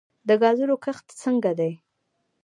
د ګازرو کښت څنګه دی؟